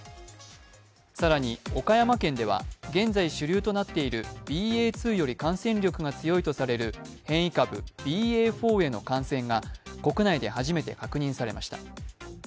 更に岡山県では現在主流となっているＢＡ．２より感染力が強いとされる変異株ＢＡ．４への感染が国内で初めて確認されました。